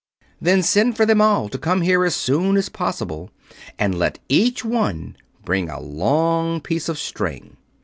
"Then send for them all to come here as soon as possible, and let each one bring a long piece of string."